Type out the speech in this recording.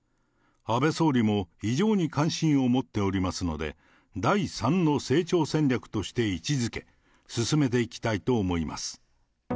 安倍総理も、非常に関心を持っておりますので、第３の成長戦略として位置づけ、進めていきたいと思います。